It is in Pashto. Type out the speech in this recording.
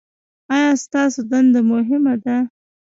ایا ستاسو دنده مهمه ده؟